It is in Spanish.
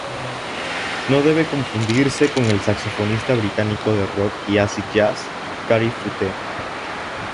No debe confundirse con el saxofonista británico de rock y acid jazz, Gary Foote.